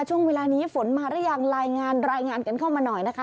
ช่วงเวลานี้ฝนมารึยังรายงานกันเข้ามาหน่อยนะคะ